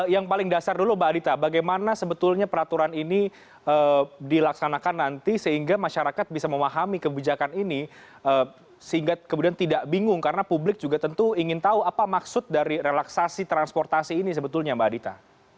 yang paling dasar dulu mbak adita bagaimana sebetulnya peraturan ini dilaksanakan nanti sehingga masyarakat bisa memahami kebijakan ini sehingga kemudian tidak bingung karena publik juga tentu ingin tahu apa maksud dari relaksasi transportasi ini sebetulnya mbak adita